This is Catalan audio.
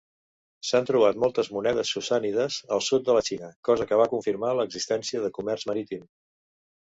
S'han trobat moltes monedes sassànides al sud de la Xina, cosa que va confirmar l'existència de comerç marítim.